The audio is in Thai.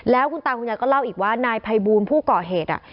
แล้วคุณตาคุณยายก็เล่าอีกว่านายภัยบูลผู้ก่อเหตุ